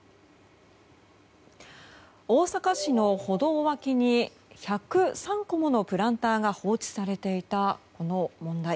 大阪市の歩道脇に１０３個ものプランターが放置されていた、この問題。